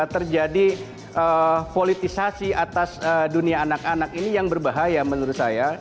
terjadi politisasi atas dunia anak anak ini yang berbahaya menurut saya